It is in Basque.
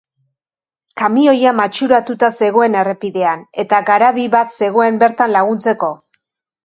Kamioia matxuratuta zegoen errepidean, eta garabi bat zegoen bertan laguntzeko.